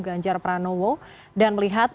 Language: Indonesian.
ganjar pranowo dan melihat